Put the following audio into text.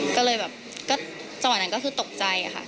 ก็เลยตอนนั้นก็คือตกใจค่ะ